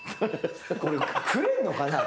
これくれんのかなぁ